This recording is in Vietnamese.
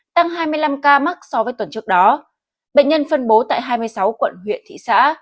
tăng hai mươi năm ca mắc so với tuần trước đó bệnh nhân phân bố tại hai mươi sáu quận huyện thị xã